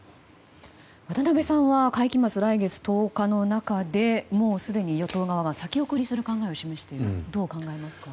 渡辺さんは会期末、来月１０日の中でもうすでに与党側は先送りする考えを示していることについてどう考えますか。